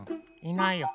いないや。